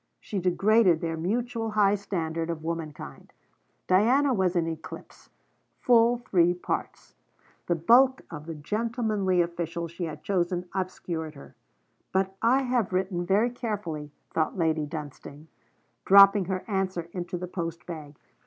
She degraded their mutual high standard of womankind. Diana was in eclipse, full three parts. The bulk of the gentlemanly official she had chosen obscured her. But I have written very carefully, thought Lady Dunstane, dropping her answer into the post bag.